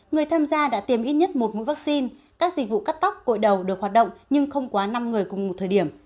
người tham gia đã tiêm ít nhất một mũi vaccine các dịch vụ cắt tóc cội đầu được hoạt động nhưng không quá năm người cùng một thời điểm